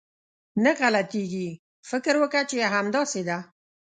نه غلطېږي، فکر وکه چې همداسې ده.